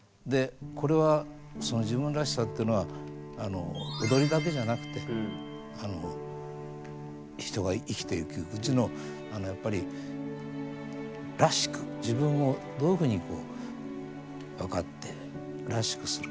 これは自分らしさってのは踊りだけじゃなくて人が生きていくうちのやっぱり「らしく」自分をどういうふうに分かって「らしく」する。